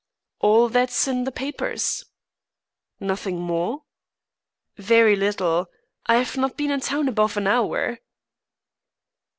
"All that's in the papers." "Nothing more?" "Very little. I've not been in town above an hour."